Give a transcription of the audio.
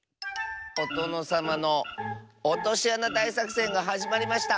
「おとのさまのおとしあなだいさくせんがはじまりました。